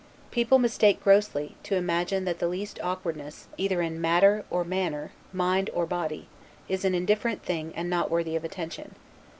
People mistake grossly, to imagine that the least awkwardness, either in matter or manner, mind or body, is an indifferent thing and not worthy of attention.